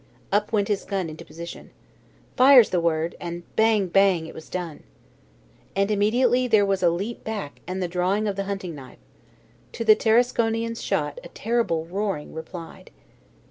Up went his gun into position. Fire's the word! and bang, bang! it was done. And immediately there was a leap back and the drawing of the hunting knife. To the Tarasconian's shot a terrible roaring replied.